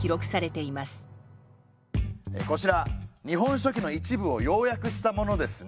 こちら「日本書紀」の一部を要約したものですね。